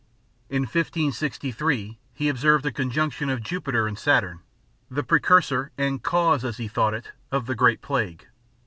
In 1563 he observed a conjunction of Jupiter and Saturn, the precursor, and cause as he thought it, of the great plague.